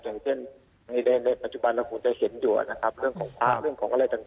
อย่างเช่นในปัจจุบันเราคงจะเห็นอยู่นะครับเรื่องของพระเรื่องของอะไรต่าง